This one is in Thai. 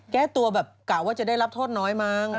แก้ตัวแบบกะว่าจะได้รับโทษน้อยมั้ง